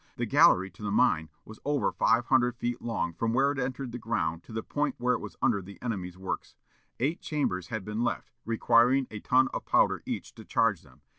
The gallery to the mine was over five hundred feet long from where it entered the ground to the point where it was under the enemy's works. Eight chambers had been left, requiring a ton of powder each to charge them.